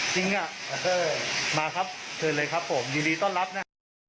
จริงเหรอครับโอเคมาครับเชิญเลยครับผมยินดีต้อนรับน่ะ